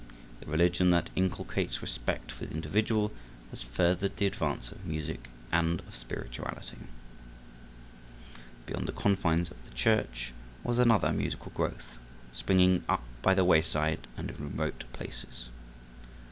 The religion that inculcates respect for the individual has furthered the advance of music and of spirituality. Beyond the confines of the church was another musical growth, springing up by the wayside and in remote places.